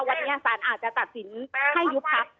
วันนี้สารอาจจะตัดสินให้ยุบพัก